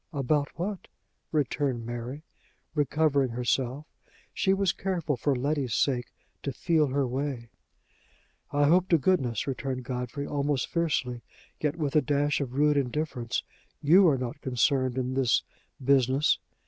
"About what?" returned Mary, recovering herself; she was careful, for Letty's sake, to feel her way. "I hope to goodness," returned Godfrey, almost fiercely, yet with a dash of rude indifference, "you are not concerned in this business!"